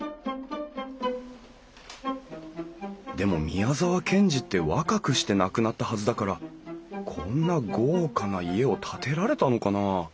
宮沢賢治って若くして亡くなったはずだからこんな豪華な家を建てられたのかな？